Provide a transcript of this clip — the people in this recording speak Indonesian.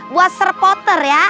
buat serpoter ya